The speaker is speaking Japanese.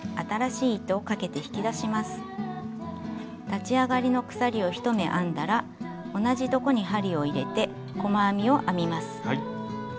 立ち上がりの鎖を１目編んだら同じところに針を入れて細編みを編みます。